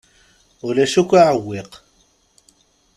Ulac akk aɛewwiq.